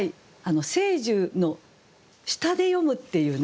聖樹の下で読むっていうね